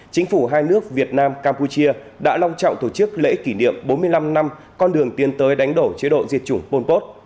chính phủ hai nước việt nam campuchia đã long trọng tổ chức lễ kỷ niệm bốn mươi năm năm con đường tiến tới đánh đổ chế độ diệt chủng pol pot